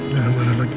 jangan marah lagi